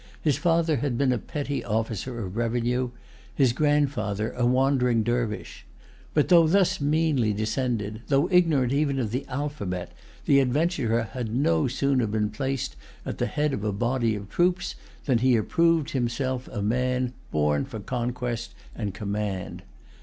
His father had been a petty officer of revenue; his grandfather a wandering dervise. But though thus meanly descended, though ignorant even of the alphabet, the adventurer had no sooner been placed at the head of a body of troops than he approved himself a man born for conquest and command.